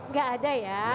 nggak ada ya